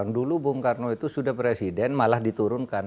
dulu bung karno itu sudah presiden malah diturunkan